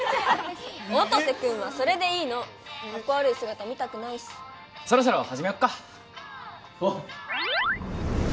音瀬君はそれでいいのカッコ悪い姿見たくないしそろそろ始めよっか・おう